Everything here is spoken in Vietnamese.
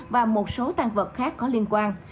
và một số tang vật khác có liên quan